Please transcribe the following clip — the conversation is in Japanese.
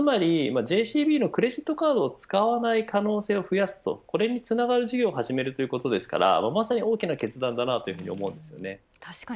つまりＪＣＢのクレジットカードを使わない可能性を増やすとこれにつながる事業を始めるということですからまさに大きな決断だと思います。